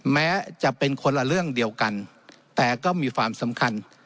แม้จะเป็นคนละเรื่องเดียวกันแต่ก็มีความสำคัญ